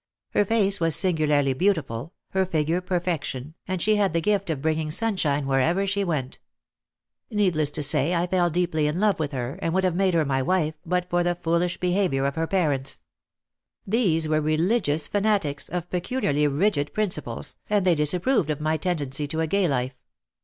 Her face was singularly beautiful, her figure perfection, and she had the gift of bringing sunshine wherever she went. Needless to say, I fell deeply in love with her, and would have made her my wife but for the foolish behaviour of her parents. These were religious fanatics of peculiarly rigid principles, and they disapproved of my tendency to a gay life.